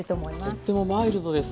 とってもマイルドです。